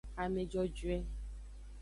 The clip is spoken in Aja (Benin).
Ame jojoe.